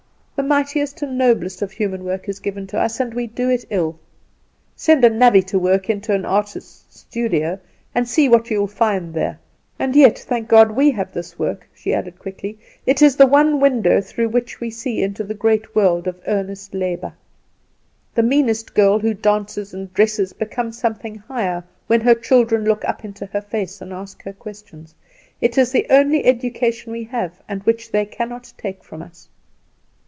"The mightiest and noblest of human work is given to us, and we do it ill. Send a navvie to work into an artist's studio, and see what you will find there! And yet, thank God, we have this work," she added, quickly "it is the one window through which we see into the great world of earnest labour. The meanest girl who dances and dresses becomes something higher when her children look up into her face and ask her questions. It is the only education we have and which they cannot take from us."